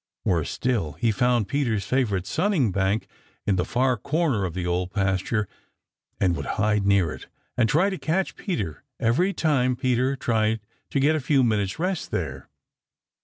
Worse still, he found Peter's favorite sunning bank in the far corner of the Old Pasture and would hide near it and try to catch Peter every time Peter tried to get a few minutes' rest there.